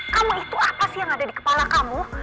kamu itu apa sih yang ada di kepala kamu